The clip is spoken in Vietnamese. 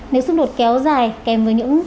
nếu xung đột kéo dài kèm với những